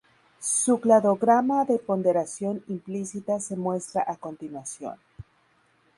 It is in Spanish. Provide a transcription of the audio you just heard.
Su cladograma de ponderación implícita se muestra a continuación.